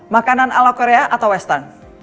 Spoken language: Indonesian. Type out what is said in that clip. makanan ala korea atau western